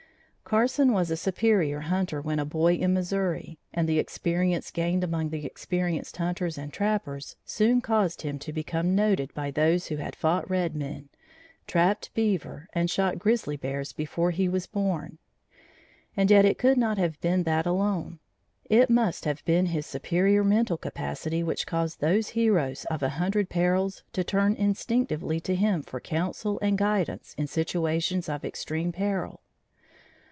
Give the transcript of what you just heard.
Carson was a superior hunter when a boy in Missouri, and the experience gained among the experienced hunters and trappers, soon caused him to become noted by those who had fought red men, trapped beaver and shot grizzly bears before he was born. And yet it could not have been that alone: it must have been his superior mental capacity which caused those heroes of a hundred perils to turn instinctively to him for counsel and guidance in situations of extreme peril.